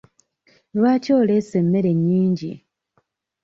Lwaki oleese emmere nnyingi?